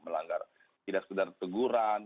dianggarkan tidak sekedar teguran